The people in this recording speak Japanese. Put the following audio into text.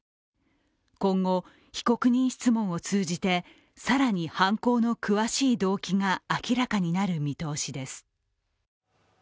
今後、被告人質問を通じてさらに犯行の詳しい動機が明らかになる見通しです。